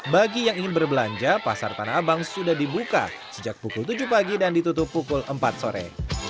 bagi yang ingin berbelanja pasar tanah abang sudah dibuka sejak pukul tujuh pagi dan ditutup pukul empat sore